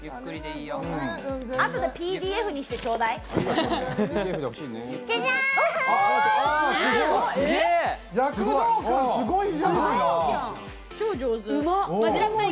あとでＰＤＦにしてちょうだい！じゃじゃん！